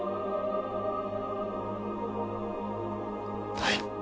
はい。